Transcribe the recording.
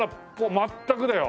全くだよ。